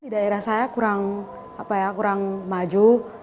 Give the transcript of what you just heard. di daerah saya kurang apa ya kurang maju